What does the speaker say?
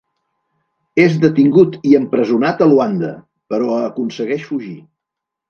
És detingut i empresonat a Luanda, però aconsegueix fugir.